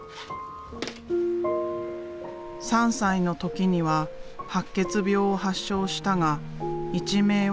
３歳の時には白血病を発症したが一命は取り留めた。